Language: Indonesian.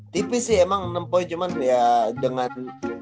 tipis sih emang enam poin cuman ya dengan